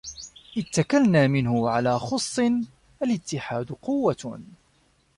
اتَّكَلْنا منه على خُصٍّ الاتحاد قوة